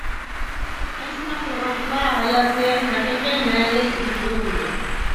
ئەنە شۇنداق قىلغاندىلا، ھاياتنى ھەقىقىي مەنىلىك ئۆتكۈزگىلى بولىدۇ.